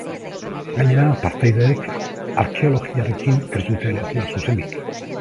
Gainera, partaideek arkeologiarekin ez dute lotura zuzenik.